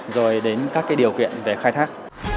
rồi đến các điều kiện về khai thác